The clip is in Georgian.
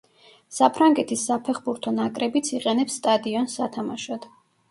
საფრანგეთის საფეხბურთო ნაკრებიც იყენებს სტადიონს სათამაშოდ.